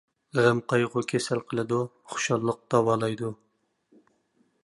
غەم-قايغۇ كېسەل قىلىدۇ، خۇشاللىق داۋالايدۇ.